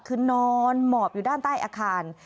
คือนอนหมอบอยู่ด้านใต้อาคาร